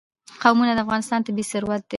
قومونه د افغانستان طبعي ثروت دی.